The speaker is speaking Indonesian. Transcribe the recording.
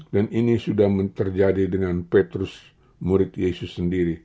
dan ini sudah terjadi dengan petrus murid yesus sendiri